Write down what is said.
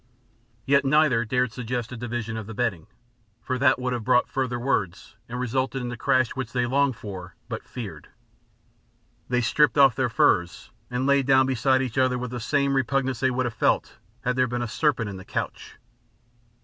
Yet neither dared suggest a division of the bedding, for that would have brought further words and resulted in the crash which they longed for, but feared. They stripped off their furs, and lay down beside each other with the same repugnance they would have felt had there been a serpent in the couch.